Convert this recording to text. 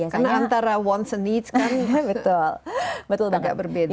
karena antara wants and needs kan agak berbeda